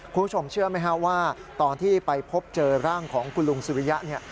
คุณผู้ชมเชื่อไหมฮะว่าตอนที่ไปพบเจอร่างของคุณลุงสุริยะเนี่ย